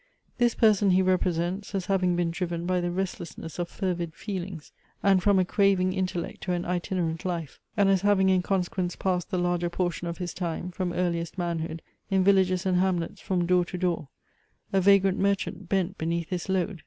This person he represents, as having been driven by the restlessness of fervid feelings, and from a craving intellect to an itinerant life; and as having in consequence passed the larger portion of his time, from earliest manhood, in villages and hamlets from door to door, "A vagrant Merchant bent beneath his load."